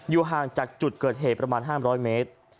ห่างจากจุดเกิดเหตุประมาณ๕๐๐เมตร